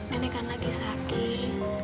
nenek kan lagi sakit